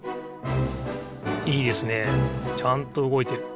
いいですねちゃんとうごいてる。